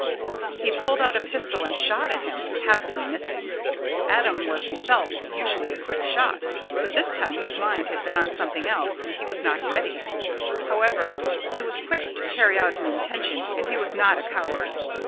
He pulled out a pistol and shot at him, happily missing. Adam was himself usually a quick shot, but this time his mind had been on something else and he was not ready. However, he was quick to carry out an intention, and he was not a coward.